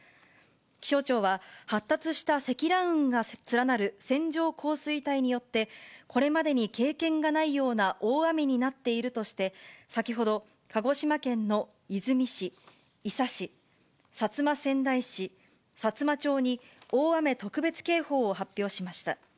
気象庁は、発達した積乱雲が連なる線状降水帯によって、これまでに経験がないような大雨になっているとして、先ほど、鹿児島県の出水市、伊佐市、薩摩川内市、さつま町に大雨特別警報を発表しました。